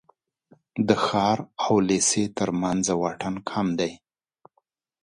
د ښار او لېسې تر منځ واټن کم دی.